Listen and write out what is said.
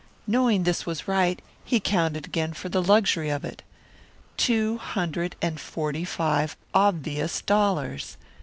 Knowing this was right, he counted again for the luxury of it. Two hundred and forty five obvious dollars!